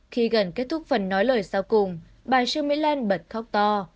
khi gần kết thúc phần nói lời sau cùng bà trương mỹ lan bật khóc to